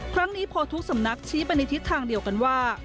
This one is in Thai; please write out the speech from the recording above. ครั้งนี้โพทุกสำนักชี้บรรณิทิศทางเดียวกันว่า